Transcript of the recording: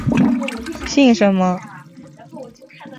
姓什么？